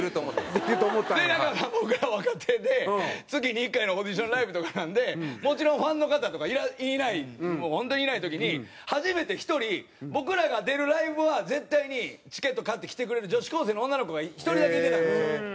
でなんか僕ら若手で月に１回のオーディションライブとかなんでもちろんファンの方とかいない本当にいない時に初めて１人僕らが出るライブは絶対にチケット買って来てくれる女子高生の女の子が１人だけいてたんですよ。